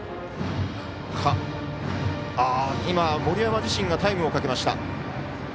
今、森山自身がタイムをとりました。